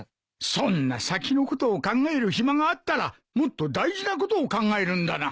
そんな先のことを考える暇があったらもっと大事なことを考えるんだな。